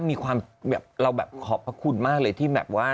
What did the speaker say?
มีความแบบเราแบบขอบพระคุณมากเลยที่แบบว่า